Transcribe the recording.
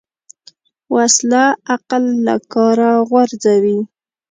وسله عقل له کاره غورځوي